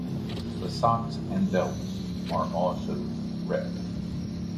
The socks and belts are also red.